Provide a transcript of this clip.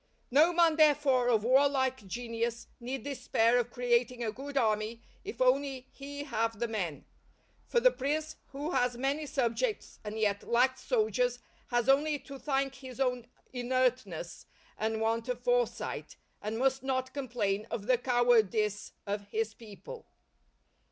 No man, therefore, of warlike genius, need despair of creating a good army if only he have the men; for the prince who has many subjects and yet lacks soldiers, has only to thank his own inertness and want of foresight, and must not complain of the cowardice of his people.